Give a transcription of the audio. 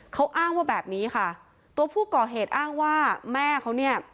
เขาอ้างว่าแบบนี้ค่ะตัวผู้ก่อเหตุอ้างว่าแม่เขาเนี่ย